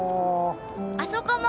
あそこも。